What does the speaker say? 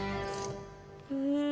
うん！